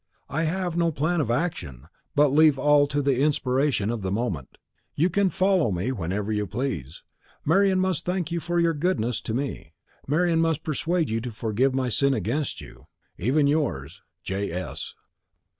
I have no plan of action, but leave all to the inspiration of the moment. You can follow me whenever you please. Marian must thank you for your goodness to me. Marian must persuade you to forgive my sin against you Ever yours, J.S."